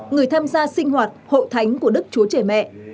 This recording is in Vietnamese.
người tham gia sinh hoạt hội thánh của đức chúa trẻ mẹ